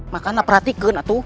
maka anda perhatikan atuh